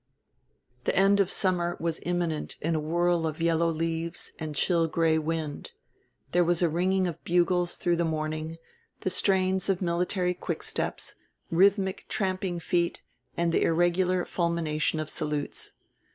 The end of summer was imminent in a whirl of yellow leaves and chill gray wind. There was a ringing of bugles through the morning, the strains of military quicksteps, rhythmic tramping feet and the irregular fulmination of salutes.